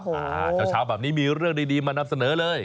เช้าแบบนี้มีเรื่องดีมานำเสนอเลย